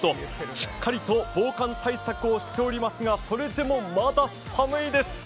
しっかりと防寒対策をしておりますが、それでもまだ寒いです。